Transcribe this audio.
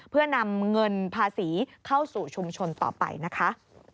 เพื่อนำเงินภาษีเข้าสู่ชุมชนต่อไปนะคะ